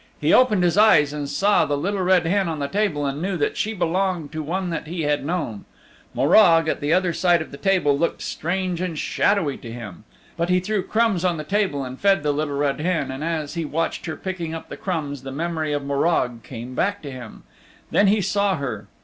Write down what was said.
He opened his eyes and saw the Little Red Hen on the table and knew that she belonged to one that he had known. Morag, at the other side of the table, looked strange and shadowy to him. But he threw crumbs on the table and fed the Little Red Hen, and as he watched her picking up the crumbs the memory of Morag came back to him. Then he saw her.